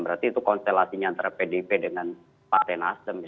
berarti itu konstelasi antara pdp dengan partai nasdem